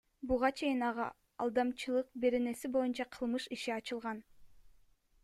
Буга чейин ага Алдамчылык беренеси боюнча кылмыш иши ачылган.